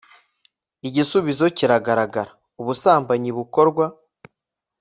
igisubizo kiragaragara. ubusambanyi bukorwa